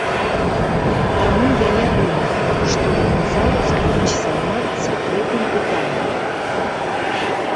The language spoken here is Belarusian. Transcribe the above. Таму я не думаю, што яны зараз будуць займацца гэтым пытаннем.